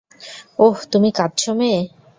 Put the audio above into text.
ওহ, তুমি কাঁদছ মেয়ে?